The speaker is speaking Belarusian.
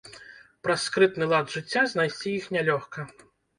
Праз скрытны лад жыцця знайсці іх нялёгка.